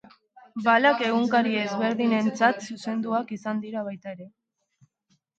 Balak egunkari ezberdinentzat zuzenduak izan dira baita ere.